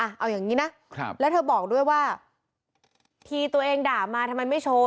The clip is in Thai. เอาอย่างนี้นะแล้วเธอบอกด้วยว่าทีตัวเองด่ามาทำไมไม่โชว์